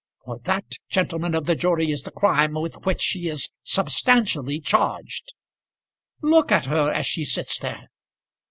for that, gentlemen of the jury, is the crime with which she is substantially charged. Look at her, as she sits there!